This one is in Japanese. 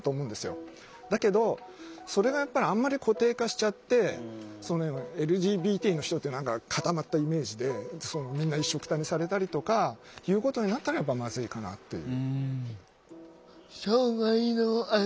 だけどそれがやっぱりあんまり固定化しちゃってＬＧＢＴの人って何か固まったイメージでみんないっしょくたにされたりとかいうことになったらやっぱまずいかなっていう。